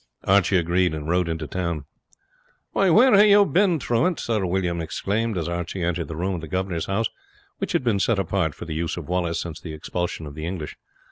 Archie agreed, and rode into the town. "Why, where have you been, truant?" Sir William exclaimed as Archie entered the room in the governor's house which had been set apart for the use of Wallace since the expulsion of the English.